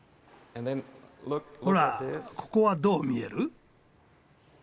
ほらここはどう見える？